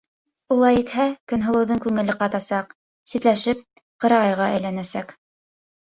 Улай итһә, Көнһылыуҙың күңеле ҡатасаҡ, ситләшеп, ҡырағайға әйләнәсәк.